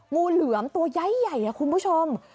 งูเหลือมตัวย้ายใหญ่คุณผู้ชม